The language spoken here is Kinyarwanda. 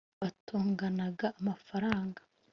batonganaga amafaranga